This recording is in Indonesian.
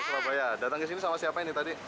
surabaya datang ke sini sama siapa ini tadi